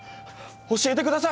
教えてください！